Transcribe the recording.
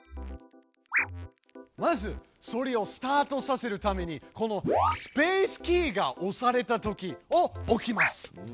まずソリをスタートさせるためにこの「スペースキーが押されたとき」を置きます。